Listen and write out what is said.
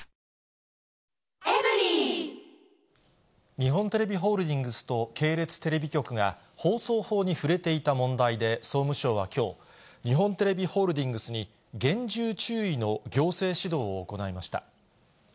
日本テレビホールディングスと系列テレビ局が、放送法に触れていた問題で、総務省はきょう、日本テレビホールディングスに、厳重注意の行政指導を行いました。